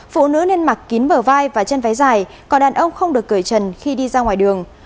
phụ nữ nên mặc kín bờ vai và chân váy dài còn đàn ông không được cởi chân khi đi ra ngoài đường